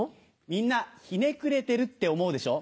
みんなひねくれてるって思うでしょ？